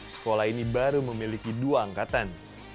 sekolah ini baru memiliki dua angkatan